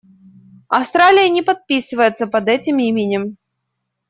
Австралия не подписывается под этим мнением.